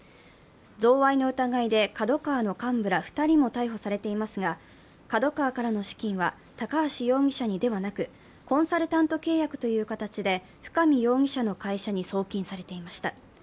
贈賄の疑いでＫＡＤＯＫＡＷＡの幹部ら２人も逮捕されていますがＫＡＤＯＫＡＷＡからの資金は、高橋容疑者にではなく、コンサルタント契約という形で深見容疑者の会社に送金されていました。